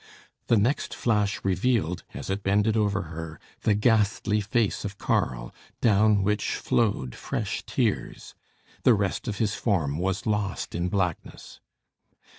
The next flash revealed, as it bended over her, the ghastly face of Karl, down which flowed fresh tears. The rest of his form was lost in blackness.